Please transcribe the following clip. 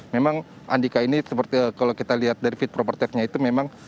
memang andika ini seperti kalau kita lihat dari fit proper testnya itu memang